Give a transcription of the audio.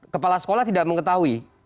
kepala sekolah tidak mengetahui